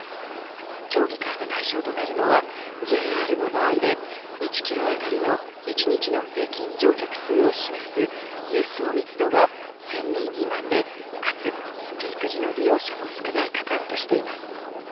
協議会の対象となるのはＪＲの場合で、１キロあたりの１日の平均乗客数を示す輸送密度が１０００人未満でかつピーク時の利用者も少ない区間としています。